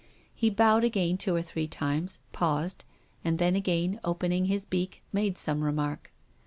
He bowed again two or three times, paused, and then, again opening his beak, made some remark.